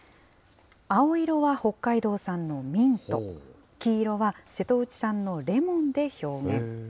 青色は北海道産のミント、黄色は瀬戸内産のレモンで表現。